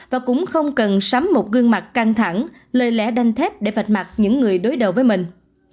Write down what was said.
và cũng không cần sắm một gương mặt căng thẳng lời lẽ đanh thép để vạch mặt những người đối đầu với mình